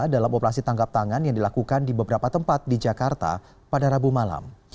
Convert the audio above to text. dalam operasi tangkap tangan yang dilakukan di beberapa tempat di jakarta pada rabu malam